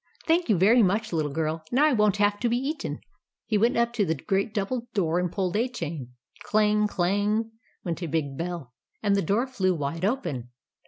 " Thank you very much, little girl. Now I won't have to be eaten." He went up to the great double door and pulled a chain. Clang ! Clang ! went a big bell, and the door flew wide open.